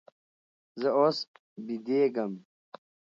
زه اوس بېدېږم.